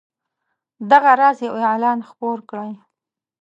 دغه راز یو اعلان خپور کړئ.